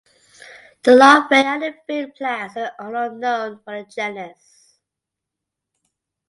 The larvae and their food plants are unknown for the genus.